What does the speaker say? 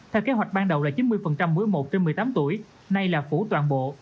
theo kế hoạch ban đầu là chín mươi một trên một mươi tám tuổi nay là phủ toàn bộ